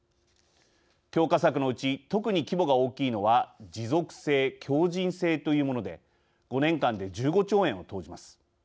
強化策のうち特に規模が大きいのは持続性強靱性というもので５年間で１５兆円を投じます。